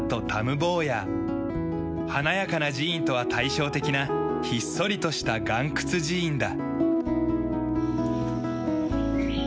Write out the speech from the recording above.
華やかな寺院とは対照的なひっそりとした岩窟寺院だ。